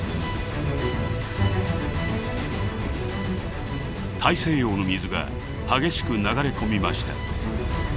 大西洋の水が激しく流れ込みました。